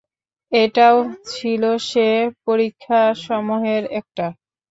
এটাও ছিল সে পরীক্ষাসমূহের একটা।